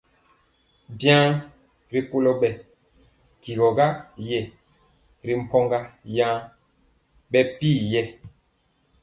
Biaŋ rikolo bɛ tyigɔ yɛɛ ri mpogɔ yaŋ bɛ pir yɛ.